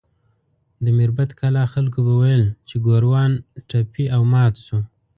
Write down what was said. د میربت کلا خلکو به ویل چې ګوروان ټپي او مات شو.